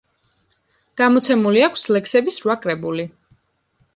გამოცემული აქვს ლექსების რვა კრებული.